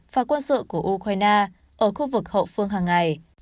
và quân sự của ukraine ở khu vực hậu phương hằng ngày